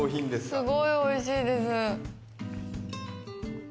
すごいおいしいです。